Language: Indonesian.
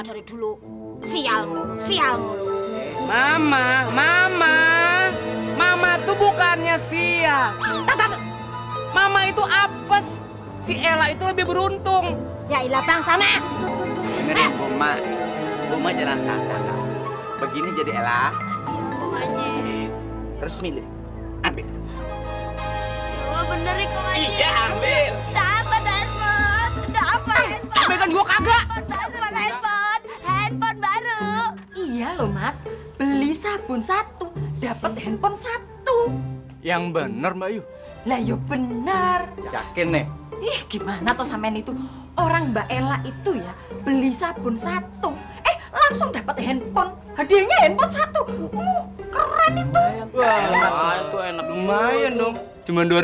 sabun satu eh langsung dapat handphone hadirnya handphone satu keren itu enak lumayan dong cuman